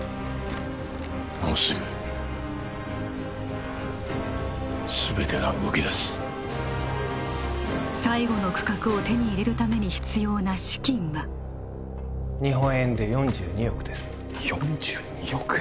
もうすぐ全てが動きだす最後の区画を手に入れるために必要な資金は日本円で４２億です４２億円？